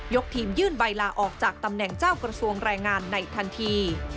ทีมยื่นใบลาออกจากตำแหน่งเจ้ากระทรวงแรงงานในทันที